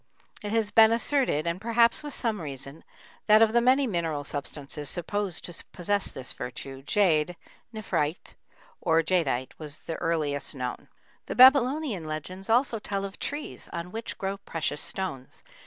It has been asserted, and perhaps with some reason, that of the many mineral substances supposed to possess this virtue, jade (nephrite) or jadeite was the earliest known. The Babylonian legends also tell of trees on which grow precious stones.